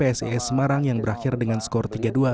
pertama kali di sma yang berakhir dengan skor tiga dua